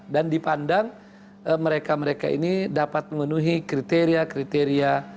dan dipandang mereka mereka ini dapat memenuhi kriteria kriteria